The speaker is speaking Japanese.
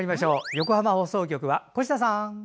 横浜放送局は越田さん！